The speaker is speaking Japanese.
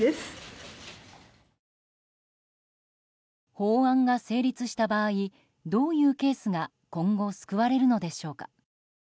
法案が成立した場合どういうケースが今後救われるのでしょうか。